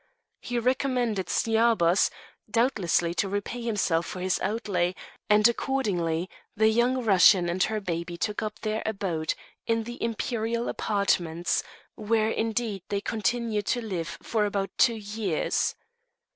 He recommended Sciabas, doubtless to repay himself for his outlay, and, accordingly, the young Russian and her baby took up their abode in the imperial apartments, where, indeed, they continued to live for about two years.